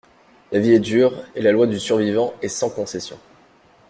La vie est dure, et la loi du survivant est sans concession.